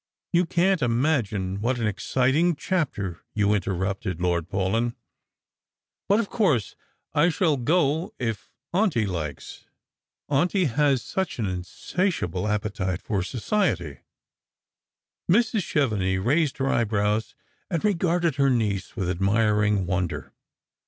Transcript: " You can't imagine what an exciting chapter you interrupted. Lord Paulyn; but of course I shall go if auntie hkes. Auntie has Buch an insatiable appetite for society." Mrs. Chevenix raised her eyebrows, and regarded her niece with admiring wonder.